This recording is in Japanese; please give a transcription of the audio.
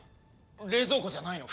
冷蔵庫じゃないのか？